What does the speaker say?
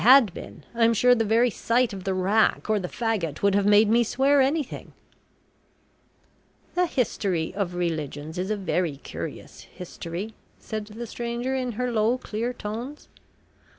had been, I'm sure the very sight of the rack or the faggot would have made me swear anything." "The history of religions is a very curious history," said the stranger in her low clear tones.